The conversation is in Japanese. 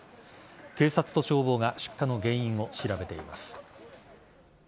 警察と消防が出火の原因を調べています。